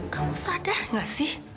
kamu sadar gak sih